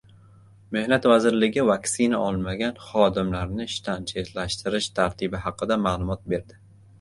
Mehnat vazirligi vaksina olmagan xodimlarni ishdan chetlashtirish tartibi haqida ma'lumot berdi